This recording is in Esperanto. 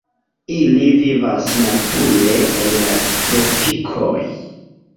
Ili vivas nature en la tropikoj.